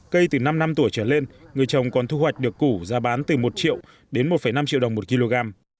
cây từ năm năm tuổi trở lên người chồng còn thu hoạch được củ giá bán từ một triệu đến một năm triệu đồng một kg